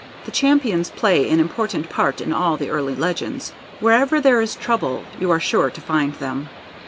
The Champions play an important part in all the early legends. Wherever there is trouble you are sure to find them.